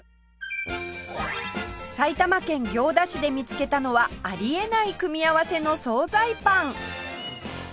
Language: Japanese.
埼玉県行田市で見つけたのはありえない組み合わせの総菜パン！